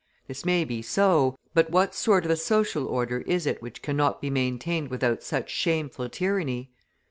This may be so, but what sort of a social order is it which cannot be maintained without such shameful tyranny?